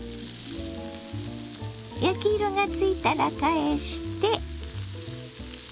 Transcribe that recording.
焼き色がついたら返して。